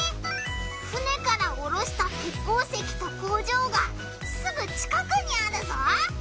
船からおろした鉄鉱石と工場がすぐ近くにあるぞ！